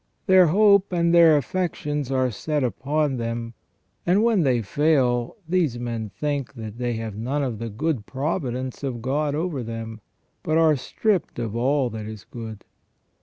Their hope and their affections are set upon them, and when they fail, these men think that they have none of the good providence of ON EVIL AND THE ORIGIN OF EVIL. 193 God over them, but are stripped of all that is good.